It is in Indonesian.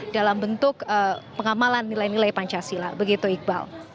dalam bentuk pengamalan nilai nilai pancasila begitu iqbal